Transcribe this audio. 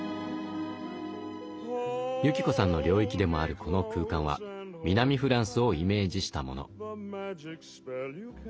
由紀子さんの領域でもあるこの空間は南フランスをイメージしたもの。